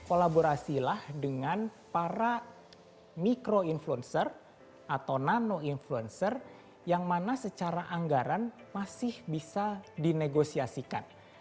kolaborasilah dengan para mikro influencer atau nano influencer yang mana secara anggaran masih bisa dinegosiasikan